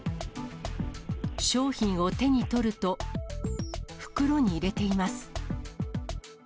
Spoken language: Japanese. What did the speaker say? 商品を手に取ると、袋に入れています。